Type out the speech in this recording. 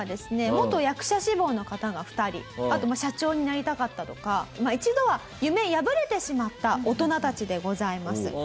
元役者志望の方が２人あと社長になりたかったとか一度は夢破れてしまった大人たちでございます。